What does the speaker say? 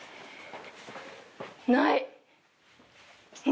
ない。